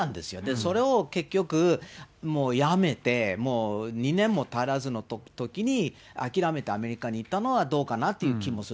それを結局、やめて、もう２年も足らずのときに、諦めてアメリカに行ったのは、どうかなという気もする。